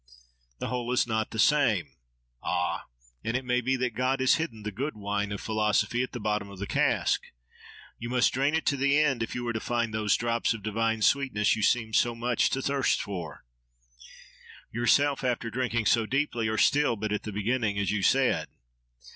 The whole is not the same—Ah! and it may be that God has hidden the good wine of philosophy at the bottom of the cask. You must drain it to the end if you are to find those drops of divine sweetness you seem so much to thirst for! Yourself, after drinking so deeply, are still but at the beginning, as you said.